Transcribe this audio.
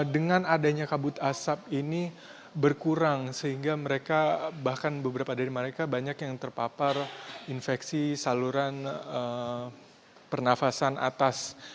dengan adanya kabut asap ini berkurang sehingga mereka bahkan beberapa dari mereka banyak yang terpapar infeksi saluran pernafasan atas